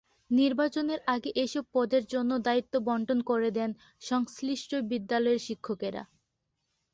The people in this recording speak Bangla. নির্বাচনের আগে এসব পদের জন্য দায়িত্ব বণ্টন করে দেন সংশ্লিষ্ট বিদ্যালয়ের শিক্ষকেরা।